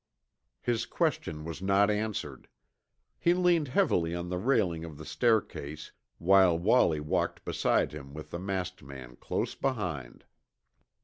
His question was not answered. He leaned heavily on the railing of the staircase while Wallie walked beside him with the masked man close behind.